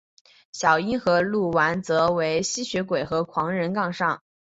小樱和鹿丸则与吸血鬼和狼人杠上。